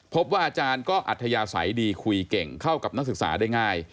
พบว่าอาจารย์ก็อัธยาศัยดีคุยเก่งเข้ากับนักศึกษาได้ง่าย